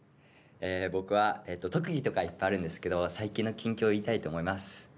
僕は特技とかいっぱいあるんですけど最近の近況を言いたいと思います。